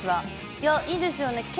いや、いいですよね。